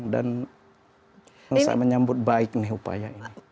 dan saya menyambut baik nih upaya ini